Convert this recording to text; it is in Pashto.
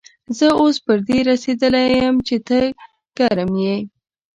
زه اوس پر دې رسېدلی يم چې ته ګرم يې.